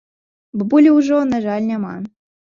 Бабулі ўжо, на жаль, няма.